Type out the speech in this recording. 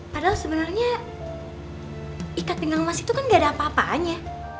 padahal sebenarnya ikat pinggang emas itu kan gak ada apa apaan ya